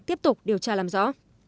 tiếp tục điều tra làm rõ